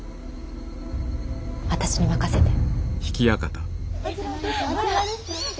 私に任せて。